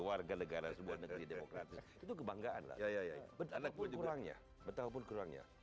warga negara sebuah negeri demokratis itu kebanggaan ia akan lekumnya